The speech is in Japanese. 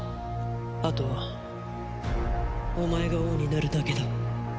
あとはお前が王になるだけだ。